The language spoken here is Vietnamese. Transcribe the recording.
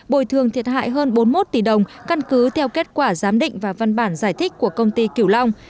bồi thường thiệt hại hơn bốn mươi một tỷ đồng căn cứ theo kết quả giám định và văn bản giải thích của công ty kiểu long